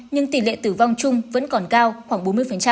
nhưng tỷ lệ tử vong chung vẫn còn cao khoảng bốn mươi